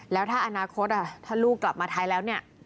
แล้วถ้าอนาคตถ้าลูกกลับมาไทยแล้วเนี่ย